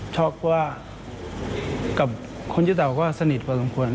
ชอบกว่ากับคนที่เต่าก็สนิทกว่าสมควรก่อน